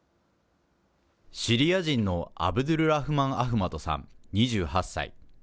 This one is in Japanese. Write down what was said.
シリア人のアブドゥルラフマン・アフマドさん２８歳。